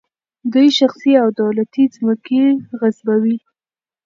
دوی شخصي او دولتي ځمکې غصبوي.